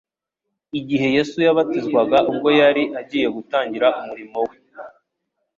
igihe Yesu yabatizwaga ubwo yari agiye gutangira umurimo we;